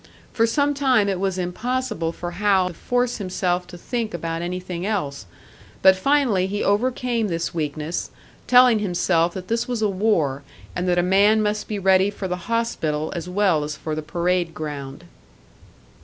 For some time it was impossible for Hal to force himself to think about anything else; but finally he overcame this weakness, telling himself that this was a war, and that a man must be ready for the hospital as well as for the parade ground.